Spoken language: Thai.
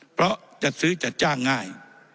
เพราะจัดซื้อจัดจ้างง่าย